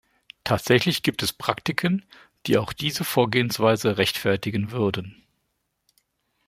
Tatsächlich gibt es Praktiken, die auch diese Vorgehensweise rechtfertigen würden.